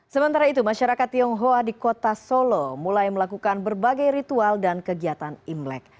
sementara itu masyarakat tionghoa di kota solo mulai melakukan berbagai ritual dan kegiatan imlek